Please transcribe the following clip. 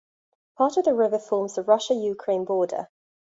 Part of the river forms the Russia–Ukraine border.